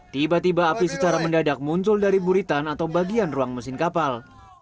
tiba tiba api secara mendadak muncul dari buritan atau bagian ruang mesin kapal